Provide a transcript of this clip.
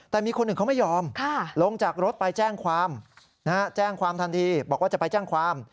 แต่มีคนอื่นเขาไม่ยอมลงจากรถไปแจ้งความแจ้งความทันทีบอกว่าจะไปแจ้งความ